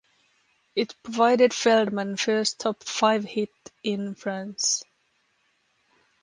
It provided Feldman first top five hit in France.